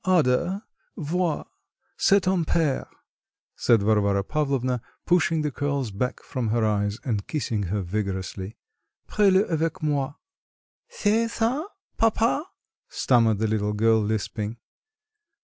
"Ada, vois, c'est ton père," said Varvara Pavlovna, pushing the curls back from her eyes and kissing her vigorously, "prie le avec moi." "C'est ça, papa?" stammered the little girl lisping.